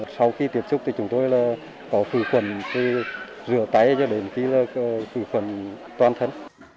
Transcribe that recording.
sau khi tiếp xúc thì chúng tôi có khử khuẩn thì rửa tay cho đến khử khuẩn toàn thân